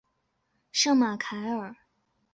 圣马凯尔。